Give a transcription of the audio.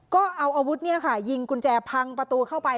ก็เอาอาวุธยิงกุญแจพังประตูเข้าไป